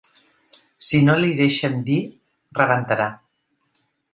Si no li ho deixen dir, rebentarà.